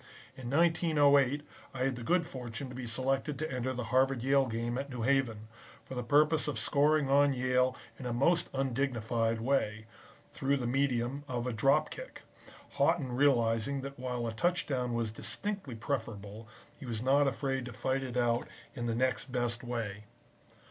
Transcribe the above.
In 1908 I had the good fortune to be selected to enter the Harvard Yale Game at New Haven, for the purpose of scoring on Yale in a most undignified way, through the medium of a drop kick, Haughton realizing that while a touchdown was distinctly preferable, he was not afraid to fight it out in the next best way.